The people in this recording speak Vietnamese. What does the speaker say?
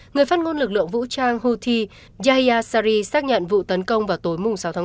người phát ngôn lực lượng vũ trang houthi yahya sari xác nhận vụ tấn công vào tối sáu ba